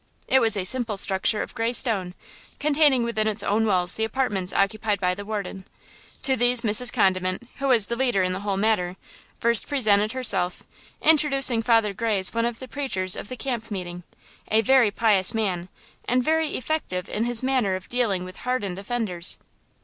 It was a simple structure of gray stone, containing within its own walls the apartments occupied by the warden. To these Mrs. Condiment, who was the leader in the whole matter, first presented herself, introducing Father Gray as one of the preachers of the camp meeting, a very pious man, and very effective in his manner of dealing with hardened offenders.